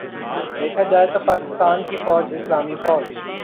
دیکھا جائے تو پاکستان کی فوج اسلامی فوج